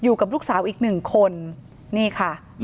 อยู่กับลูกสาวอีกหนึ่งคนนี่ค่ะ